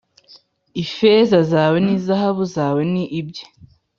ifeza zawe n’izahabu zawe ni ibye